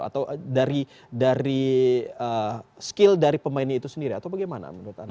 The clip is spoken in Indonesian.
atau dari skill dari pemainnya itu sendiri atau bagaimana menurut anda